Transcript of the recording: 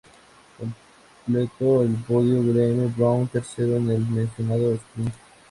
Completó el podio Graeme Brown, tercero en el mencionado "sprint".